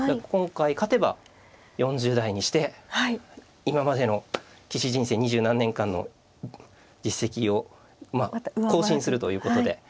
今回勝てば４０代にして今までの棋士人生二十何年間の実績を更新するということで。